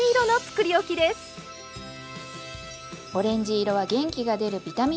オレンジ色は元気が出るビタミンカラー。